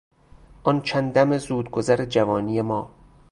آن چند دم زودگذر جوانی ما